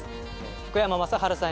福山雅治さん